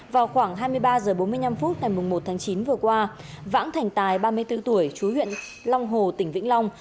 vào khoảng hai mươi ba h bốn mươi năm phút ngày một tháng chín vừa qua vãng thành tài ba mươi bốn tuổi chú huyện long hồ tỉnh vĩnh long